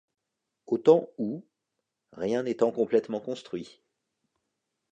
Aux temps où, rien n’étant complètement construit